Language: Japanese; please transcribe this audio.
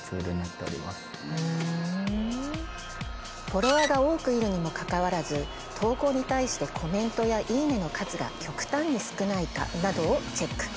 フォロワーが多くいるにもかかわらず投稿に対してコメントや「いいね！」の数が極端に少ないかなどをチェック。